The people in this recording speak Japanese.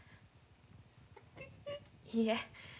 いいえ。